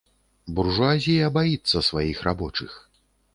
Буржуазія баіцца сваіх рабочых.